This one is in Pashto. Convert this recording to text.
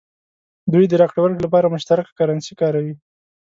دوی د راکړې ورکړې لپاره مشترکه کرنسي کاروي.